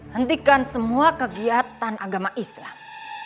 hentikan semua kegiatan agama islam